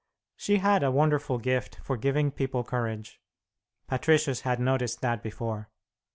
She had a wonderful gift for giving people courage; Patricius had noticed that before.